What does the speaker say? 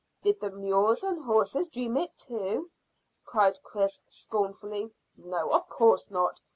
"Did the mules and horses dream it too?" cried Chris scornfully. "No, of course not.